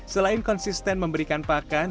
selain konsisten memberikan pakan